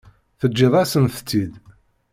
Teǧǧiḍ-asent-tt-id.